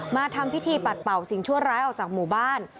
มาทำพิธีปัดเป่าสิ่งชั่วร้ายออกจากหมู่บ้าน